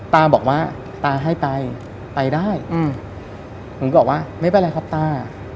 ตาบอกว่าตาให้ไปไปได้ผมก็บอกว่าไม่เป็นไรครับตา